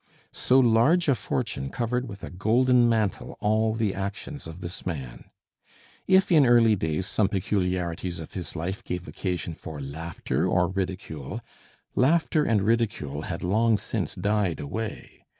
So large a fortune covered with a golden mantle all the actions of this man. If in early days some peculiarities of his life gave occasion for laughter or ridicule, laughter and ridicule had long since died away.